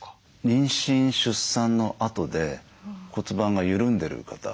妊娠出産のあとで骨盤が緩んでる方。